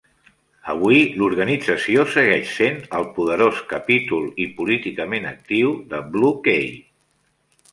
Avui, l'organització segueix sent el poderós capítol i políticament actiu de Blue Key.